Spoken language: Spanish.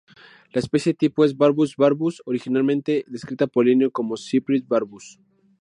La especie tipo es "Barbus barbus", originalmente descrita por Linneo como "Cyprinus barbus".